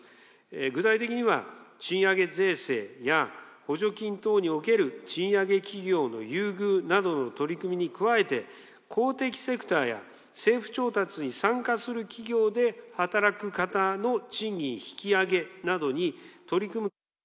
具体的には、賃上げ税制や、補助金等における賃上げ企業の優遇などの取り組みに加えて、公的セクターや、政府調達に参加する企業で働く方の賃金引き上げなどに取り組む。